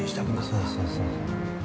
◆そうそうそうそう。